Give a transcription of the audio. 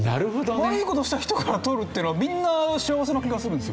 悪い事した人からとるっていうのはみんな幸せな気がするんですよ。